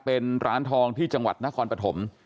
เป็นร้านทองที่จังหวัดนครปฐม